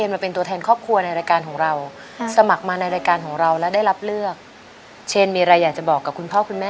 แม่ต้องไปทำงานไกลแล้วคิดถึงแม่ไหม